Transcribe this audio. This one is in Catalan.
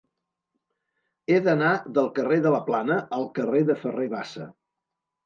He d'anar del carrer de la Plana al carrer de Ferrer Bassa.